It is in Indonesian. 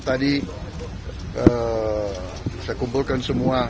tadi saya kumpulkan semua